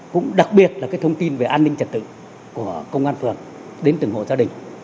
cũng đặc biệt là thông tin về an ninh trật tự của công an phường đến từng hộ gia đình